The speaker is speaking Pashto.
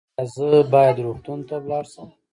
ایا زه باید روغتون ته لاړ شم؟